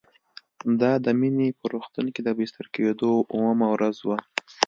دا د مينې په روغتون کې د بستر کېدو اوومه ورځ وه